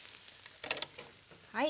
はい。